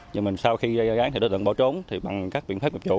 nhưng mà sau khi gây án thì đối tượng bỏ trốn thì bằng các biện pháp nghiệp vụ